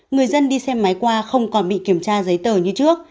người dân đi xe máy qua không còn bị kiểm tra giấy tờ như trước